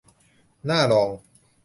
น่าลอง